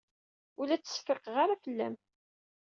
Ur la ttseffiqeɣ ara fell-am.